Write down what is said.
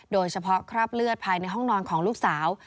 โดยเฉพาะคราบเลือดภายในห้องนอนของลูกสาว